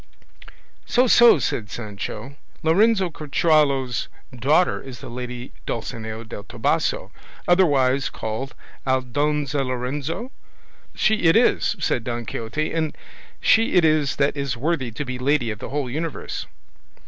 "So, so!" said Sancho; "Lorenzo Corchuelo's daughter is the lady Dulcinea del Toboso, otherwise called Aldonza Lorenzo?" "She it is," said Don Quixote, "and she it is that is worthy to be lady of the whole universe."